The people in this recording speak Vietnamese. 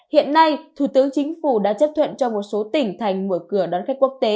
hiện nay thủ tướng chính phủ đã chấp thuận cho một số tỉnh thành mở cửa đón khách quốc tế